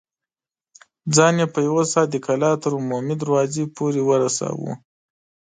ځان يې په يوه سا د کلا تر عمومي دروازې پورې ورساوه.